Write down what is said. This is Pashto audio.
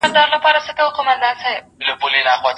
د اسلام په لار کي ستړي کېدل هم عبادت دی.